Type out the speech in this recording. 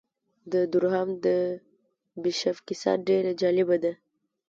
د دورهام د بیشپ کیسه ډېره جالبه ده.